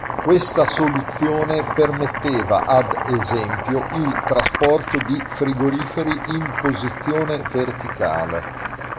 Questa soluzione permetteva, ad esempio, il trasporto di frigoriferi in posizione verticale.